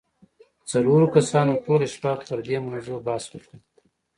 څلورو کسانو ټوله شپه پر دې موضوع بحث وکړ.